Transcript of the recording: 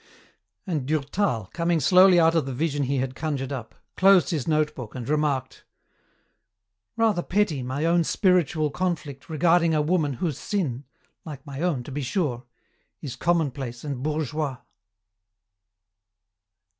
And Durtal, coming slowly out of the vision he had conjured up, closed his notebook and remarked, "Rather petty, my own spiritual conflict regarding a woman whose sin like my own, to be sure is commonplace and bourgeois."